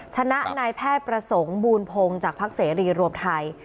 ชนะนายแพทย์ประสงค์บูรพงศ์จากภักดิ์เสรีรวมไทย